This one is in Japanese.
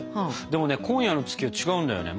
でもね今夜の月は違うんだよね。